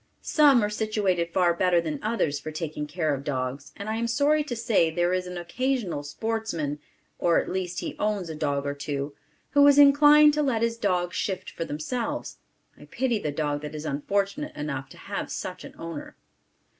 Some are situated far better than others for taking care of dogs and I am sorry to say there is an occasional sportsman (or at least he owns a dog or two), who is inclined to let his dogs shift for themselves. I pity the dog that is unfortunate enough to have such an owner.